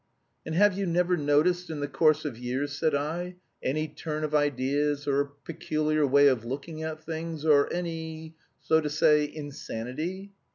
'And have you never noticed in the course of years,' said I, 'any turn of ideas or peculiar way of looking at things, or any, so to say, insanity?'